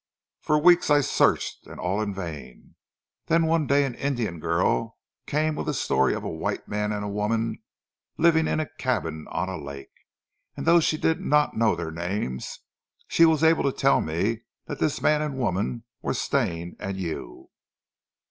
For weeks I searched, and all in vain, then one day an Indian girl came with a story of a white man and woman living in a cabin on a lake, and though she did not know their names she was able to tell me that this man and woman were Stane and you."